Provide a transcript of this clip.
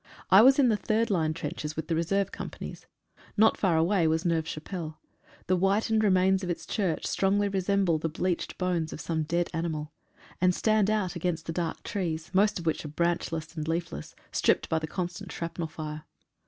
I was in the third line trenches with the reserve companies. Not far away was Neuve Chapelle. The whitened remains of its church strongly resemble the bleached bones of some dead ani mal, and stand out against the dark trees, most of which are branchless and leafless, stripped by the constant shrapnel fire.